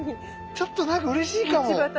ちょっと何かうれしいかも。